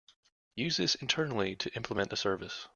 Use this internally to implement a service.